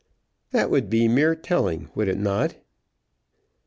"That would be mere telling; would it not?"